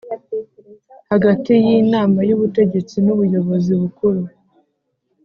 Hagati y inama y ubutegetsi n ubuyobozi bukuru